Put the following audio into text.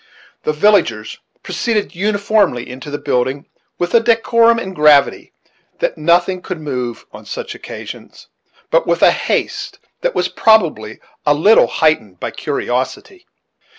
The villagers proceeded uniformly into the building, with a decorum and gravity that nothing could move, on such occasions; but with a haste that was probably a little heightened by curiosity.